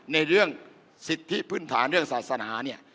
ในเรื่องสิทธิพื้นฐานเรื่องศาสนาเนี่ย